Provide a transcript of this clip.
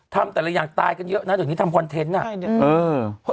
ทำแต่ละอย่างตายกันเยอะนะตอนนี้ทำคอนเทนต์อ่ะใช่เนี้ยเออ